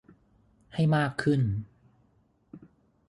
ให้มากขึ้น